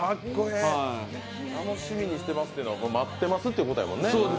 楽しみにしてますというのは、待ってますということですもんね。